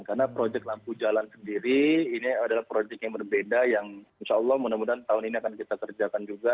karena proyek lampu jalan sendiri ini adalah proyek yang berbeda yang insya allah mudah mudahan tahun ini akan kita kerjakan juga